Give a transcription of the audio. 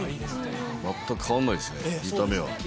全く変わんないですね見た目は。